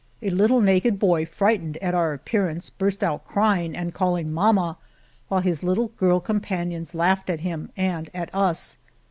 A little naked boy, frightened at our appearance, burst out cry ing and calling Mamma," while his little girl companions laughed at him and at us.